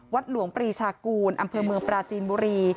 หลวงปรีชากูลอำเภอเมืองปราจีนบุรี